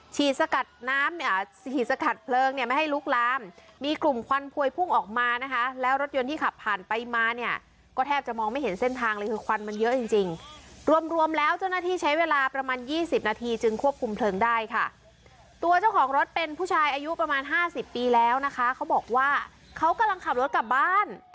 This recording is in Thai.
สกัดน้ำเนี่ยฉีดสกัดเพลิงเนี่ยไม่ให้ลุกลามมีกลุ่มควันพวยพุ่งออกมานะคะแล้วรถยนต์ที่ขับผ่านไปมาเนี่ยก็แทบจะมองไม่เห็นเส้นทางเลยคือควันมันเยอะจริงจริงรวมรวมแล้วเจ้าหน้าที่ใช้เวลาประมาณยี่สิบนาทีจึงควบคุมเพลิงได้ค่ะตัวเจ้าของรถเป็นผู้ชายอายุประมาณห้าสิบปีแล้วนะคะเขาบอกว่าเขากำลังขับรถกลับบ้าน